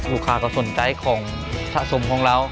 ลูกค้าก็สนใจของสะสมของเรา